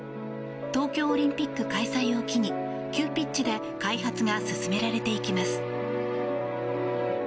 東京オリンピック開催を機に急ピッチで開発が進められていきます。